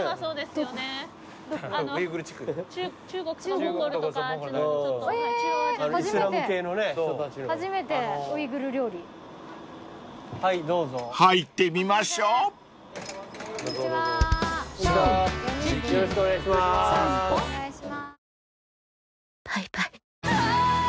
よろしくお願いします。